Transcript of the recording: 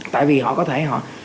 tại vì họ có thể